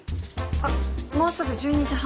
あっもうすぐ１２時半！